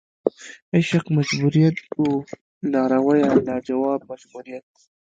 عشق مجبوریت وه لارویه لا جواب مجبوریت